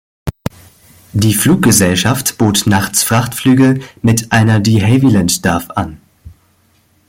Die Fluggesellschaft bot nachts Frachtflüge mit einer De Havilland Dove an.